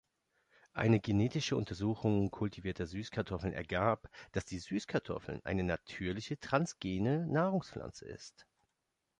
Eine genetische Untersuchung kultivierter Süßkartoffeln ergab, dass die Süßkartoffel eine natürliche transgene Nahrungspflanze ist.